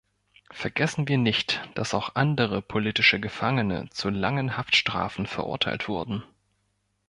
Vergessen wir nicht, dass auch andere politische Gefangene zu langen Haftstrafen verurteilt wurden.